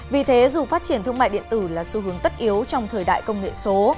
vì thế dù phát triển thương mại điện tử là xu hướng tất yếu trong thời đại công nghệ số